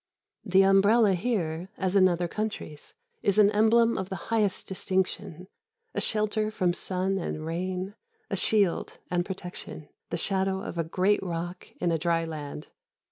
The umbrella here, as in other countries, is an emblem of the highest distinction: a shelter from sun and rain, a shield and protection, "the shadow of a great rock in a dry land."